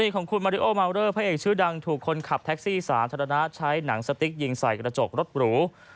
ของคุณมาริโอมาวเลอร์พระเอกชื่อดังถูกคนขับแท็กซี่สาธารณะใช้หนังสติ๊กยิงใส่กระจกรถหรู